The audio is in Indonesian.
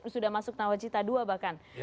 sudah masuk tawacita dua bahkan